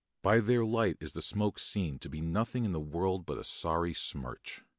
By their light is the smoke seen to be nothing in the world but a sorry smirch.